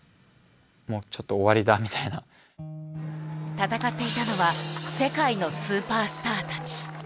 戦っていたのは世界のスーパースターたち。